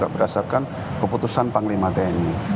berdasarkan keputusan panglima tni